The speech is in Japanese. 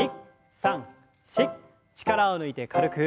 力を抜いて軽く。